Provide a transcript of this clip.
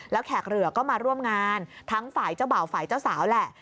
แล้วแขกเหลือก็มาร่วมงานทั้งฝ่ายเจ้าบ่าวฝ่ายเจ้าสาวแหละ